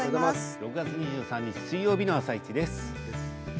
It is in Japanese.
６月２３日水曜日の「あさイチ」です。